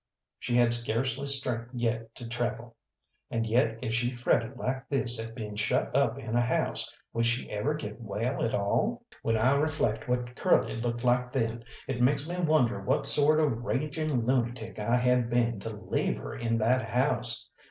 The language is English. She had scarcely strength yet to travel, and yet if she fretted like this at being shut up in a house, would she ever get well at all? When I reflect what Curly looked like then it makes me wonder what sort of raging lunatic I had been to leave her in that house.